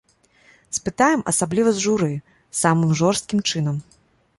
Спытаем, асабліва з журы, самым жорсткім чынам.